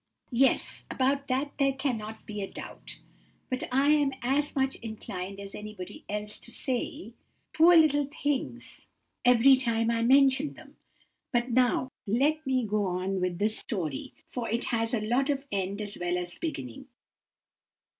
"Yes, about that there cannot be a doubt, and I am as much inclined as anybody else to say, 'Poor little things' every time I mention them. But now let me go on with the story, for it has a sort of end as well as beginning.